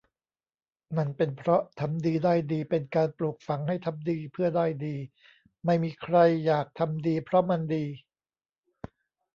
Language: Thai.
นั่นเป็นเพราะ ทำดีได้ดี เป็นการปลูกฝังให้ทำดีเพื่อได้ดี ไม่มีใครอยากทำดีเพราะมันดี